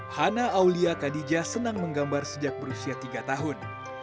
hana aulia kadija senang menggambar sejak berusia tiga tahun